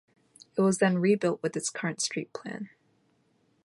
It was then rebuilt with its current street plan.